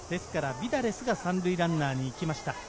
ビダレスが３塁ランナーに行きました。